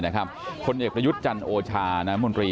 คนเอกประยุทธ์จันทรโอชาลนมรี